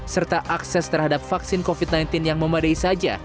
serta akses terhadap vaksin covid sembilan belas yang memadai saja